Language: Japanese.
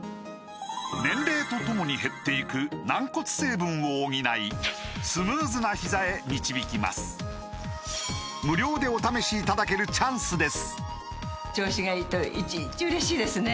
年齢とともに減っていく軟骨成分を補いスムーズなひざへ導きます無料でお試しいただけるチャンスです